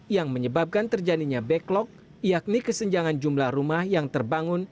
yang menyebabkan terjadinya backlog yakni kesenjangan jumlah rumah yang terbangun